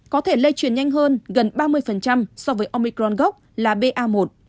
có thể lây truyền nhanh hơn gần ba mươi so với omicron gốc là ba một